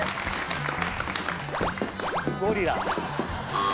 ゴリラ。